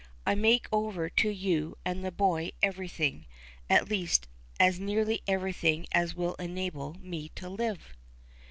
I make over to you and the boy everything at least, as nearly everything as will enable me to live."